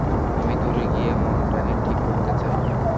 আমি দূরে গিয়ে মনটাকে ঠিক করতে চাই।